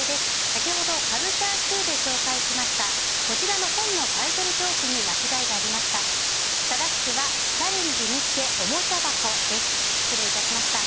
先ほどカルチャーＱで紹介しましたこちらの本のタイトル表記に間違いがありました。